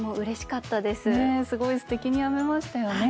すごいすてきに編めましたよね。